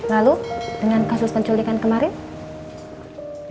lalu dengan kasus penculikan kemarin